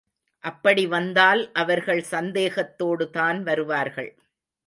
அப்படி வந்தால் அவர்கள் சந்தேகத்தோடுதான் வருவார்கள்.